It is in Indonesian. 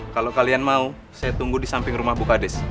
kalau kalian mau saya tunggu di samping rumah bukadis